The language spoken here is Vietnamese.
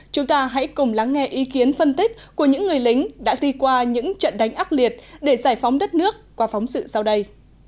chúng ta hãy cùng lắng nghe ý kiến phân tích của những người lính đã đi qua những trận đánh ác liệt để giải phóng đất nước qua phóng sự sau đây